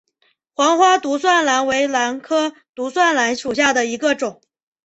黄花独蒜兰为兰科独蒜兰属下的一个种。